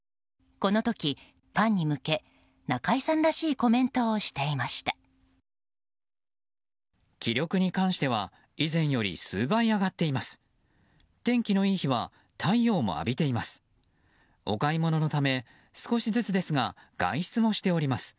この時、ファンに向け中居さんらしいコメントをしていました。